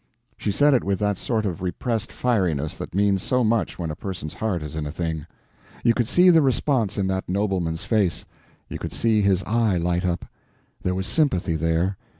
She said it with that sort of repressed fieriness that means so much when a person's heart is in a thing. You could see the response in that nobleman's face; you could see his eye light up; there was sympathy there.